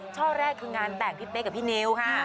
ช่อแรกคืองานแต่งพี่เป๊กกับพี่นิวค่ะ